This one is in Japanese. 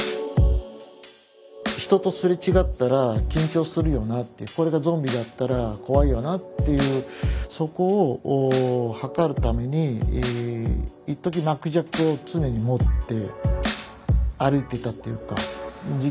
人とすれ違ったら緊張するよなっていうこれがゾンビだったら怖いよなっていうそこを測るためにいっとき巻き尺を常に持って歩いていたっていうか時期がありましたね。